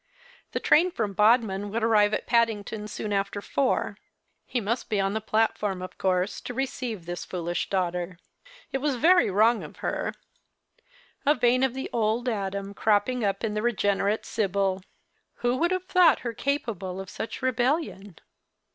The train from Bodmin would arrive at Paddington soon after four. He must be on the platform, of course, to receive this foolish daughter. It was very wrono; of her — a vein of The Christmas Hirelings. 79 the old Adam cropping up in tlie regenerate Sibyl. Who would have thought her capable of such rebellion